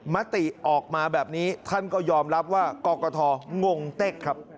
มติออกมาแบบนี้ท่านก็ยอมรับว่ากรกฐงงเต็กครับ